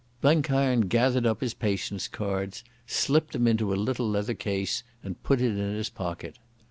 Blenkiron gathered up his Patience cards, slipped them into a little leather case and put it in his pocket.